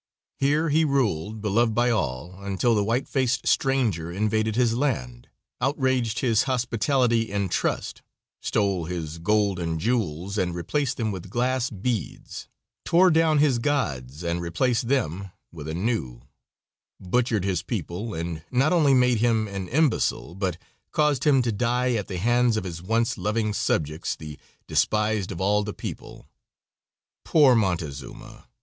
Here he ruled, beloved by all, until the white faced stranger invaded his land, outraged his hospitality and trust; stole his gold and jewels and replaced them with glass beads; tore down his gods and replaced them with a new; butchered his people, and not only made him an imbecile, but caused him to die at the hands of his once loving subjects the despised of all the people. Poor Montezuma!